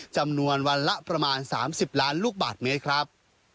จำนวนวันละประมาณ๓๐ล้านลูกบาทเมตรครับ